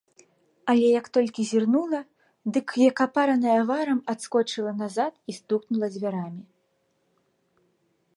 Але, як толькі зірнула, дык, як апараная варам, адскочыла назад і стукнула дзвярамі.